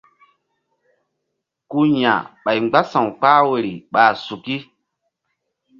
Ku ya̧ ɓay mgbása̧w kpah woyri ɓa suki.